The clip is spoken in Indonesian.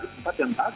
di tempat yang pasang